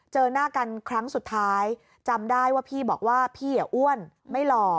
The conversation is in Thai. เจอหน้ากันครั้งสุดท้ายจำได้ว่าพี่บอกว่าพี่อ้วนไม่หล่อ